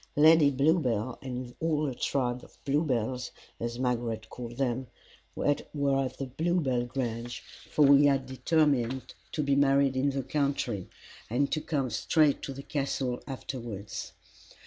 Lady Bluebell and all the tribe of Bluebells, as Margaret called them, were at Bluebell Grange, for we had determined to be married in the country, and to come straight to the Castle afterwards.